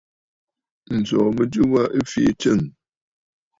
Ǹsòò mɨjɨ wa ɨ fii tsɨ̂ŋ.